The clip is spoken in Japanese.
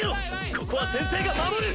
ここは先生が守る！